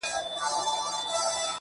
• څه دي راوکړل د قرآن او د ګیتا لوري.